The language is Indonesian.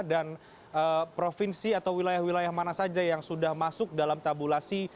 dan provinsi atau wilayah wilayah mana saja yang sudah masuk dalam tabulasi